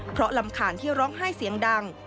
เพราะรำคาญที่ร้องไห้เสียงดัง